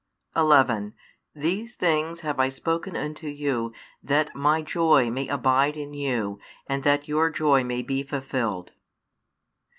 |398 11 These things have I spoken unto you that My joy may abide in you, and that your joy may be fulfilled.